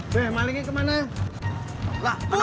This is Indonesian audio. weh malingnya kemana